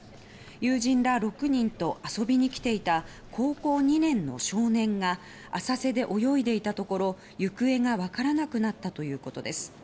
友人ら６人と遊びに来ていた高校２年の少年が浅瀬で泳いでいたところ行方が分からなくなったということです。